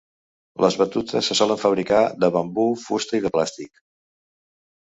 Les batutes se solen fabricar de bambú, fusta i de plàstic.